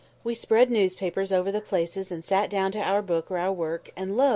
We spread newspapers over the places and sat down to our book or our work; and, lo!